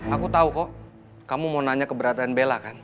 aku tahu kok kamu mau nanya keberatan bella kan